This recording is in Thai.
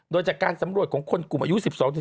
โดยจากการสำรวจของคนกลุ่มอายุ๑๒